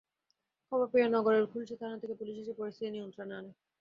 খবর পেয়ে নগরের খুলশী থানা থেকে পুলিশ এসে পরিস্থিতি নিয়ন্ত্রণে আনে।